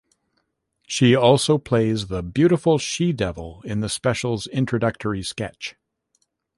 She also plays the "Beautiful She Devil" in the special's introductory sketch.